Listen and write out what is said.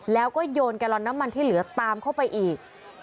แล้วก็โยนแกลลอนน้ำมันที่เหลือตามเข้าไปอีก